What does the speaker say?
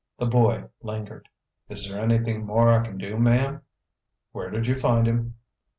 The boy lingered. "Is there anything more I can do, ma'm?" "Where did you find him?"